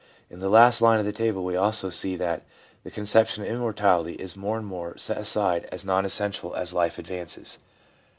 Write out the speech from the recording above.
In the last line of the table we see also that the conception of Immortality is more and more set aside as non essential as life advances.